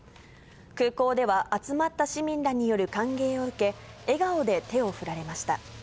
空港では、集まった市民らによる歓迎を受け、笑顔で手を振られました。